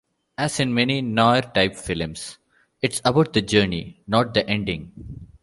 As in many "noir" type films, it's about the journey, not the ending.